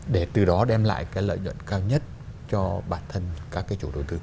để từ đó đem lại cái lợi nhuận cao nhất cho bản thân các cái chủ đầu tư